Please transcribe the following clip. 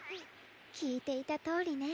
きいていたとおりね。